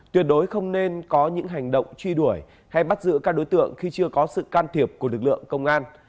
tuyệt đối không nên có những hành động truy đuổi hay bắt giữ các đối tượng khi chưa có sự can thiệp của lực lượng công an